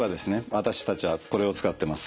私たちはこれを使ってます。